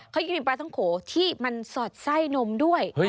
เขายังมีปลาท้องโขที่มันสอดไส้นมด้วย